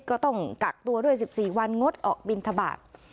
ก็ต้องกักตัวด้วย๑๔วันงดออกบินทบาท